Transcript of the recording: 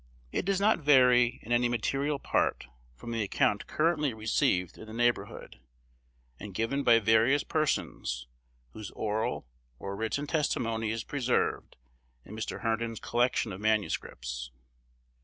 It does not vary in any material part from the account currently received in the neighborhood, and given by various persons, whose oral or written testimony is preserved in Mr. Herndon's collection of manuscripts.